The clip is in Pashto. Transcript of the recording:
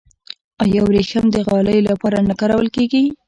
آیا وریښم د غالیو لپاره نه کارول کیږي؟